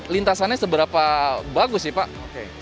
lintasannya seberapa bagus sih pak